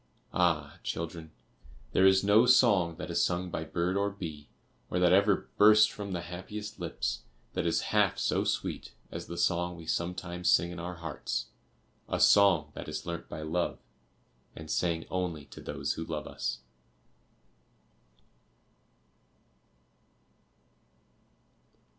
Ah, children, there is no song that is sung by bird or bee, or that ever burst from the happiest lips, that is half so sweet as the song we sometimes sing in our hearts a song that is learnt by love, and sang only to those who love us.